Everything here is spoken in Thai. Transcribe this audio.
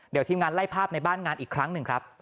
เดี๋ยวทีมงานไล่ภาพในบ้านงานอีกครั้งหนึ่งครับ